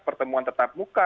pertemuan tetap muka